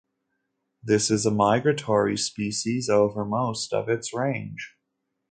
This is a migratory species over most of its range.